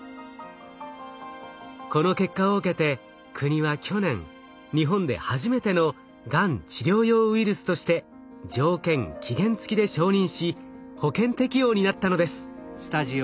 この結果を受けて国は去年日本で初めてのがん治療用ウイルスとして条件・期限付きで承認し保険適用になったのです。